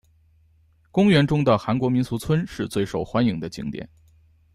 公园中的韩国民俗村是受欢迎的景点。